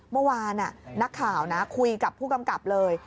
เมื่อวานนักข่าวนะคุยกับผู้กำกับเลย